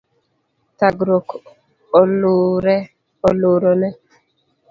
Thagruok oluro ne